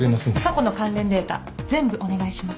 過去の関連データ全部お願いします。